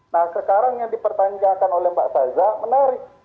nah sekarang yang dipertanyakan oleh mbak saza menarik